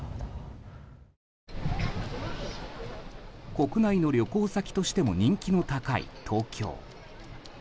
国内の旅行先としても人気の高い、東京。